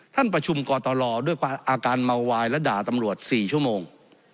ท่านประชุมกตลด้วยอาการเมาวายและด่าตำรวจ๔ชั่วโมง